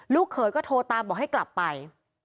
เขยก็โทรตามบอกให้กลับไป